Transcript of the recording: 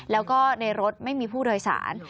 แล้วก็ในรถไม่มีผู้โดยสาร